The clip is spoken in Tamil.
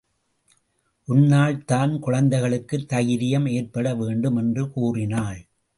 உன்னால் தான் குழந்தைகளுக்குத் தைரியம் ஏற்பட வேண்டும் என்று கூறினாள்.